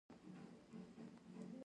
لیکوال فکرونه جوړوي